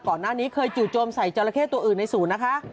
ก่อนหน้านี้เคยจู่โจมใส่จราเข้ตัวอื่นในศูนย์นะคะ